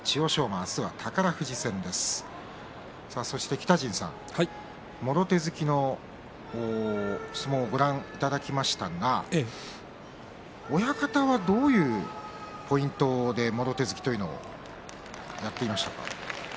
北陣さん、もろ手突きの相撲をご覧いただきましたが親方は、どういうポイントでもろ手突きというのをやっていましたか？